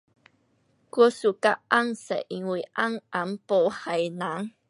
我 suka 红色，因为红红没害人。